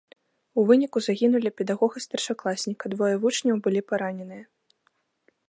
У выніку загінулі педагог і старшакласнік, а двое вучняў былі параненыя.